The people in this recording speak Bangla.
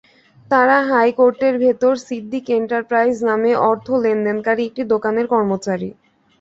তাঁরা হাইকোর্টের ভেতরে সিদ্দিক এন্টারপ্রাইজ নামের অর্থ লেনদেনকারী একটি দোকানের কর্মচারী।